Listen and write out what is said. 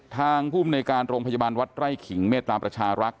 ทางภูมิในการโรงพยาบาลวัดไร่ขิงเมตตาประชารักษ